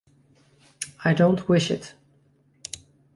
I don’t wish it.